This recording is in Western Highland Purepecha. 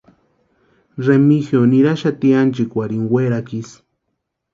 Remigio niraxati ánchikwarhini werakwa isï.